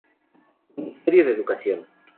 Ministerio de Educación